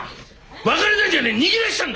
別れたんじゃねえ逃げ出したんだ！